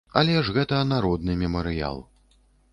Але ж гэта народны мемарыял.